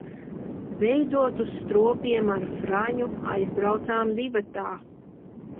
Beidzot uz Stropiem ar Fraņu aizbraucām divatā.